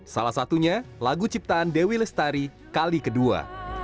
salah satunya lagu ciptaan dewi lestari kali kedua